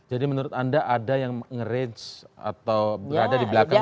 jadi menurut anda ada yang ngerage atau berada di belakang julianis